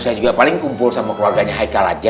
saya juga paling kumpul sama keluarganya haikal aja